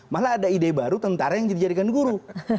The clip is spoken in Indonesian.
malah ada ide baru tentara yang dijadikan guru